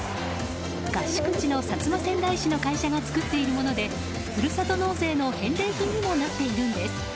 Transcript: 合宿地の薩摩川内市の会社が作っているものでふるさと納税の返礼品にもなっているんです。